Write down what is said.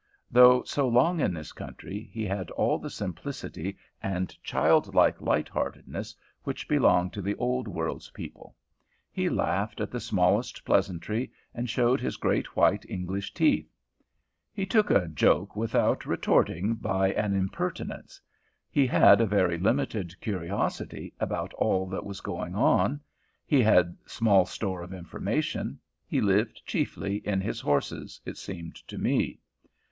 Though so long in this country, he had all the simplicity and childlike lightheartedness which belong to the Old World's people. He laughed at the smallest pleasantry, and showed his great white English teeth; he took a joke without retorting by an impertinence; he had a very limited curiosity about all that was going on; he had small store of information; he lived chiefly in his horses, it seemed to me.